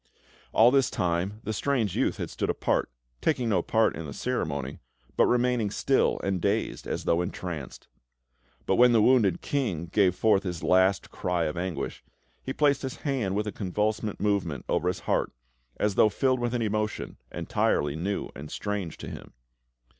All this time, the strange youth had stood apart, taking no part in the ceremony, but remaining still and dazed, as though entranced; but when the wounded King gave forth his last cry of anguish, he placed his hand with a convulsive movement over his heart, as though filled with an emotion entirely new and strange to him.